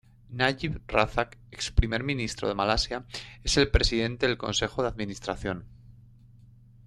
Najib Razak, ex primer ministro de Malasia, es el Presidente del consejo de administración.